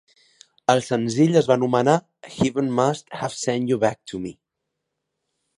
El senzill es va anomenar "Heaven Must Have Sent You Back to Me".